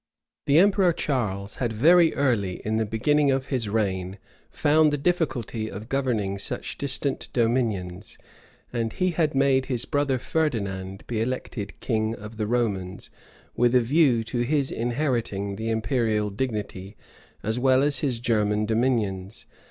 The emperor Charles had very early in the beginning of his reign found the difficulty of governing such distant dominions; and he had made his brother Ferdinand be elected king of the Romans, with a view to his inheriting the imperial dignity, as well as his German dominions.